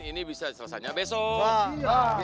ini bisa selesainya besok